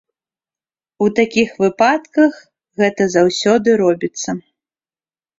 У такіх выпадках гэта заўсёды робіцца.